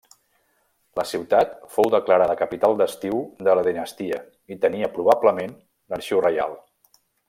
La ciutat fou declarada capital d'estiu de la dinastia i tenia probablement l'arxiu reial.